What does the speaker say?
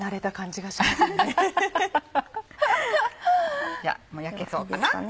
じゃもう焼けそうかな？